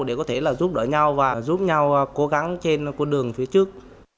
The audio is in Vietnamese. để có thể là giúp đỡ nhau và giúp nhau cố gắng trên con đường phía trước